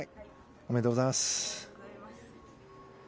ありがとうございます。